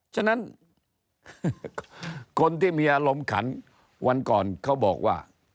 ฉะนั้นคนที่มีอารมณ์ขันวันก่อนเขาบอกว่า